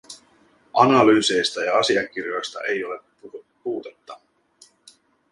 Analyyseista ja asiakirjoista ei ole puutetta.